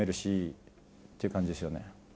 っていう感じですよね。